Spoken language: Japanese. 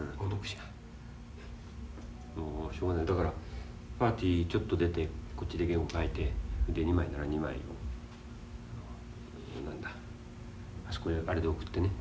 しょうがないだからパーティーちょっと出てこっちで原稿を描いて２枚なら２枚あの何だあれで送ってね